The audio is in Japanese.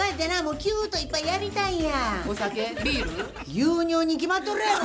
牛乳に決まっとるやろ！